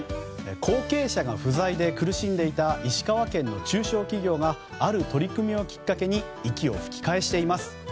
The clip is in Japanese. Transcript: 後継者が不在で苦しんでいた石川県の中小企業がある取り組みをきっかけに息を吹き返しています。